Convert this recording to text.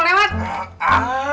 amph awas nih ayam mau lewat